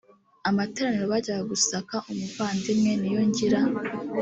amateraniro bajyaga gusaka umuvandimwe niyongira